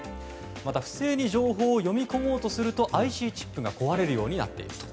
また不正に情報を読み込もうとするとＩＣチップが壊れるようになっていると。